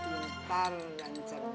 pintar dan cerdas